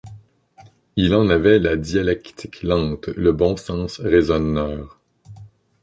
Il en avait la dialectique lente, le bon sens raisonneur.